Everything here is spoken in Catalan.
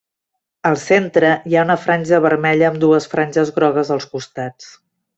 Al centre hi ha una franja vermella amb dues franges grogues als costats.